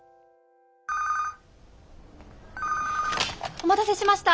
☎お待たせしました。